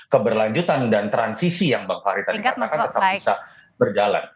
keberlanjutan dan transisi yang bang fahri tadi katakan tetap bisa berjalan